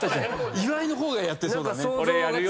岩井のほうがやってそう。